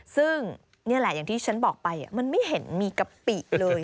ซึ่งนี่แหละอย่างที่ฉันบอกไปมันไม่เห็นมีกะปิเลย